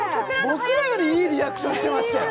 僕らよりいいリアクションしてましたよ